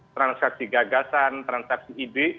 transaksi gagasan transaksi ide